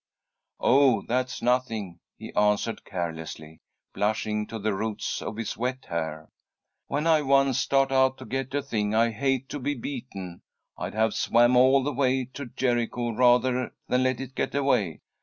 "Oh, that's nothing," he answered, carelessly, blushing to the roots of his wet hair. "When I once start out to get a thing, I hate to be beaten. I'd have swam all the way to Jericho rather than let it get away.